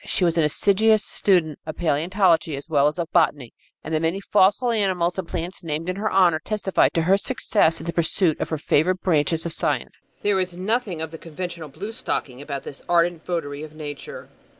She was an assiduous student of paleontology as well as of botany, and the many fossil animals and plants named in her honor testify to her success in the pursuit of her favorite branches of science. There was nothing of the conventional blue stocking about this ardent votary of nature.